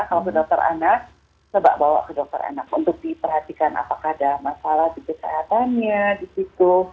kalau ke dokter anak coba bawa ke dokter anak untuk diperhatikan apakah ada masalah di kesehatannya di situ